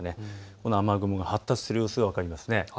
この雨雲が発達している様子が分かります。